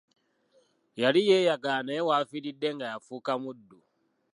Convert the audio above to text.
Yali yeeyagala naye w'afiiridde nga yafuuka muddu.